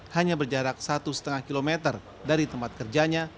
hanya berjarak satu lima km dari tempat kerjanya